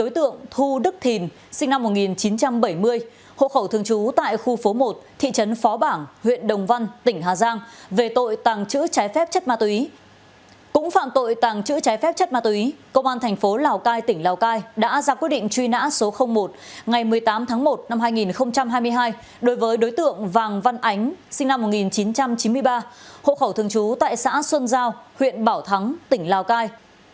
trong tội tàng trữ trái phép chất ma túy công an thành phố lào cai tỉnh lào cai đã ra quyết định truy nã số một ngày một mươi tám tháng một năm hai nghìn hai mươi hai đối với đối tượng vàng văn ánh sinh năm một nghìn chín trăm chín mươi ba hộ khẩu thường trú tại xã xuân giao huyện bảo thắng tỉnh lào cai